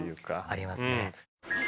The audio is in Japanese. ありますね。